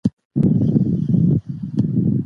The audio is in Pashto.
خدای پاک پټ او ښکاره په هر څه خبر دی.